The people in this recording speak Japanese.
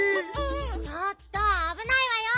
ちょっとあぶないわよ。